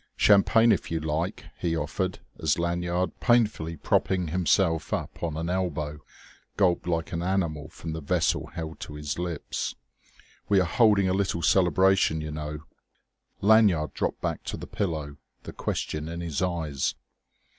"Champagne if you like," he offered, as Lanyard, painfully propping himself up on an elbow, gulped like an animal from the vessel held to his lips. "We are holding a little celebration, you know." Lanyard dropped back to the pillow, the question in his eyes.